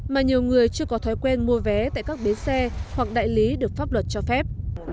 mà nhiều người chưa có thói quen mua vé tại các bến xe hoặc đại lý được pháp luật cho phép